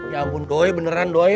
ya ampun doi beneran doi